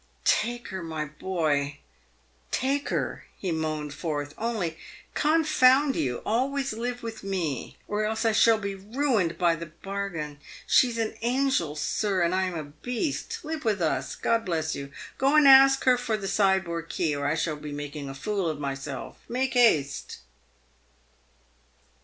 " Take her, my boy, take her," he moaned forth ;" only, confound you ! always live with me, or else I shall be ruined by the bargain. She is an angel, sir, and I am a beast. Live with us. Grod bless you ! Go and ask her for the sideboard key, or I shall be making a fool of my self. Make haste